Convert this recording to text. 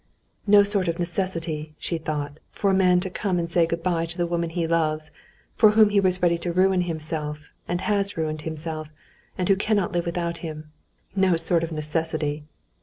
"No sort of necessity," she thought, "for a man to come and say good bye to the woman he loves, for whom he was ready to ruin himself, and has ruined himself, and who cannot live without him. No sort of necessity!"